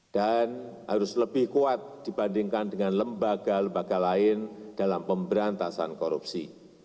dan harus lebih kuat dibandingkan dengan lembaga lembaga lain dalam pemberantasan korupsi